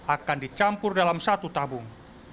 akan dicampur dalam satu tabung